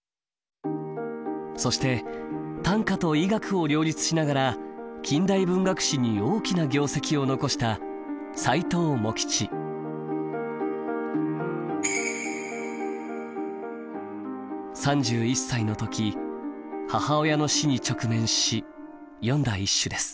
そして短歌と医学を両立しながら近代文学史に大きな業績を残した３１歳の時母親の死に直面し詠んだ一首です。